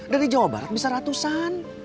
dari jawa barat bisa ratusan